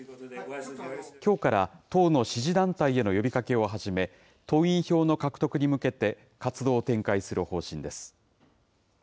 きょうから党の支持団体への呼びかけを始め、党員票の獲得に向けて活動を展開する方針です。